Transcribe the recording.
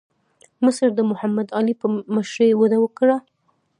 مصر د محمد علي په مشرۍ وده وکړه.